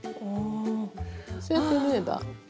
そうやって縫えば。